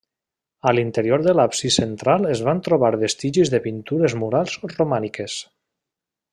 A l'interior de l'absis central es van trobar vestigis de pintures murals romàniques.